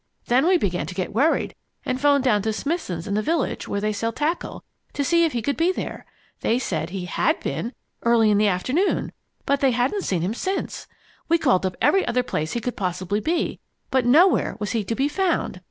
Then we began to get worried and 'phoned down to Smithson's in the village where they sell tackle, to see if he could be there. They said he had been, early in the afternoon, but they hadn't seen him since. We called up every other place he could possibly be, but nowhere was he to be found.